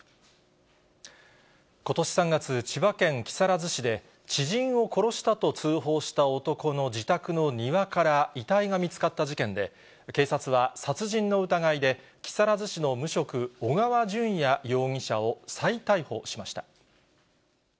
ことし３月、千葉県木更津市で、知人を殺したと通報した男の自宅の庭から遺体が見つかった事件で、警察は殺人の疑いで木更津市の無職、小川順也容疑者を再逮捕しました。